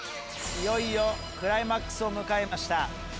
いよいよクライマックスを迎えました。